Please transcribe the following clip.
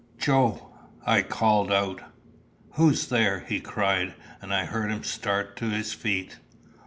"Joe!" I called out. "Who's there?" he cried; and I heard him start to his feet.